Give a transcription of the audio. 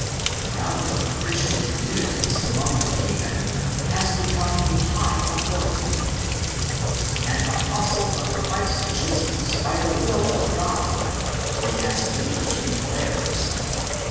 The founder of Christian communities among the heathen has become a high authority. ''An Apostle of Christ Jesus by the will of God'"' he is made to declare himself (i.